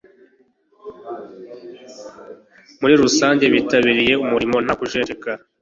muri rusange bitabiriye umurimo nta kujenjeka